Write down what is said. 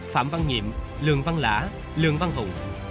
phạm văn nhiệm lường văn lã lường văn hùng